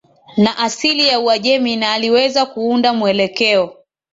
na asili ya Uajemi na aliweza kuunda mwelekeo